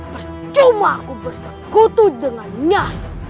percuma aku bersekutu dengan nyai